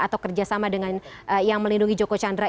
atau kerjasama dengan yang melindungi joko chandra